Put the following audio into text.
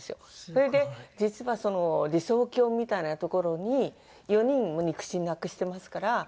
それで実は理想郷みたいな所に４人肉親亡くしてますから。